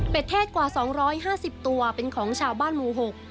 เป็นเทศกว่า๒๕๐ตัวเป็นของชาวบ้านหมู่๖